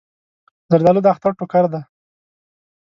زردالو د اختر ټوکر دی.